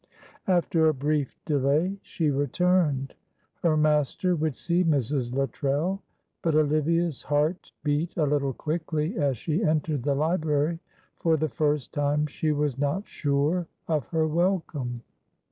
After a brief delay she returned. Her master would see Mrs. Luttrell; but Olivia's heart beat a little quickly as she entered the library. For the first time she was not sure of her welcome.